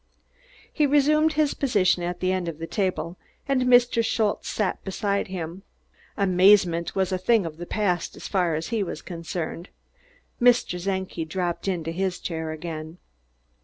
He resumed his position at the end of the table, and Mr. Schultze sat beside him. Amazement was a thing of the past, as far as he was concerned. Mr. Czenki dropped into his chair again.